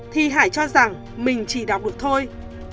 thì hải cho rằng mình chỉ đọc được thôi